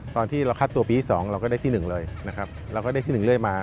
ตอนที่เราคาดตัวปีที่๒เราก็ได้ที่๑เลยนะครับเราก็ได้ที่๑เรื่อยมา